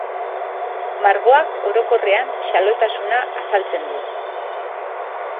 Margoak, orokorrean, xalotasuna azaltzen du.